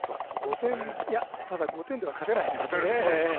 ただ５点では勝てないですね。